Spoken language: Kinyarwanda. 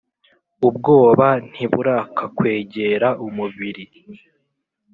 ubwoba ntiburakakwegera umubiri,